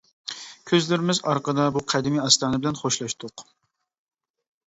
كۆزلىرىمىز ئارقىدا بۇ قەدىمىي ئاستانە بىلەن خوشلاشتۇق.